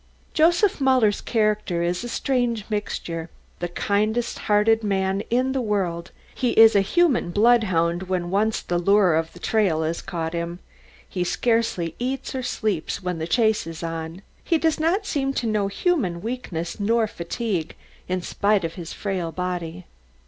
Joseph Muller's character is a strange mixture. The kindest hearted man in the world, he is a human bloodhound when once the lure of the trail has caught him. He scarcely eats or sleeps when the chase is on, he does not seem to know human weakness nor fatigue, in spite of his frail body.